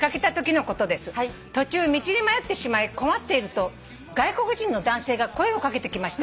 「途中道に迷ってしまい困っていると外国人の男性が声を掛けてきました」